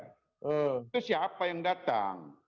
itu siapa yang datang